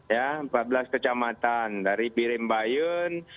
ya empat belas kecamatan dari birembayun